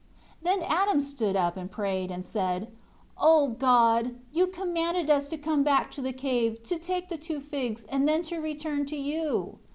6 Then Adam stood up and prayed and said, "O God, You commanded us to come back to the cave, to take the two figs, and then to return to you.